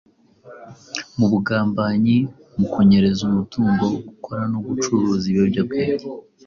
mu bugambanyi, mu kunyereza umutungo, gukora no gucuruza ibiyobyabwenge,